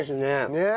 ねえ。